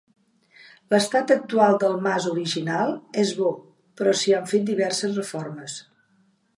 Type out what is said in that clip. L’estat actual del mas original, és bo, però s’hi han fet diverses reformes.